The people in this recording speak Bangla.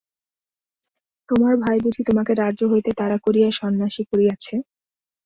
তোমার ভাই বুঝি তোমাকে রাজ্য হইতে তাড়া করিয়া সন্ন্যাসী করিয়াছে?